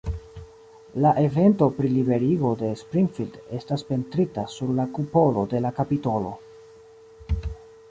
La evento pri liberigo de Springfield estas pentrita sur la kupolo de la kapitolo.